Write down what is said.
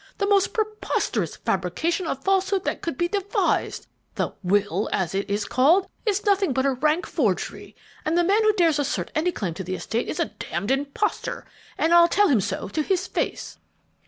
The most preposterous fabrication of falsehood that could be devised! The 'will,' as it is called, is nothing but a rank forgery, and the man who dares assert any claim to the estate is a damned impostor, and I'll tell him so to his face!"